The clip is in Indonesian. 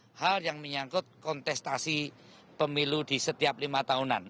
hal hal yang menyangkut kontestasi pemilu di setiap lima tahunan